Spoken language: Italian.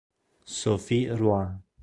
Sophie Rois